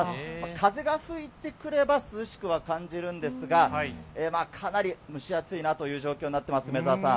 風が吹いてくれば、涼しくは感じるんですが、かなり蒸し暑いなという状況になってます、梅澤さん。